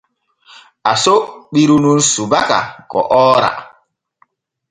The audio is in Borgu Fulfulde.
Aso ɓiru nun subaka ko oora.